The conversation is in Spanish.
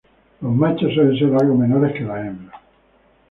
Los machos suelen ser algo menores que las hembras.